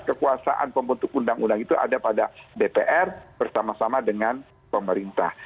kekuasaan pembentuk undang undang itu ada pada dpr bersama sama dengan pemerintah